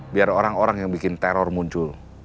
biar orang orang yang bikin teror muncul